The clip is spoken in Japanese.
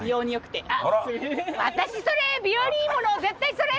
あっ私それ美容にいいものを絶対それ！